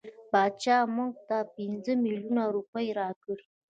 بادشاه به مونږ ته پنځه میلیونه روپۍ راکړي.